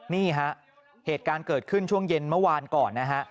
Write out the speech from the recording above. นี่ฮะเหตุการณ์เกิดขึ้นช่วงเย็นเมื่อวานก่อนนะฮะ